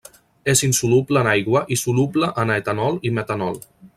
És insoluble en aigua i soluble en etanol i metanol.